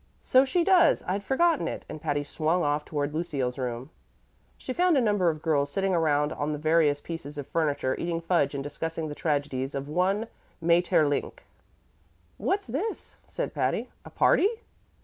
"So she does. I'd forgotten it"; and Patty swung off toward Lucille's room. She found a number of girls sitting around on the various pieces of furniture, eating fudge and discussing the tragedies of one Maeterlinck. "What's this?" said Patty. "A party?"